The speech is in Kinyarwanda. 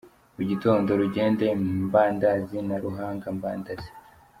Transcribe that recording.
Mu gitondo: Rugende- Mbandazi na Ruhanga- Mbandazi.